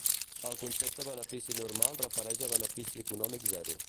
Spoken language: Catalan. El concepte benefici normal refereix a benefici econòmic zero.